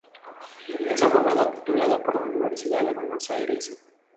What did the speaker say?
Es abogado titulado por la Universidad de Buenos Aires.